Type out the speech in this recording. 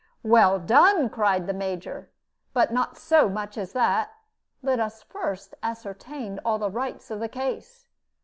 "Well done!" cried the Major; "but not so much as that. Let us first ascertain all the rights of the case.